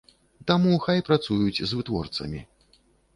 Таму, хай працуюць з вытворцамі.